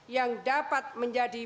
yang dapat menjadi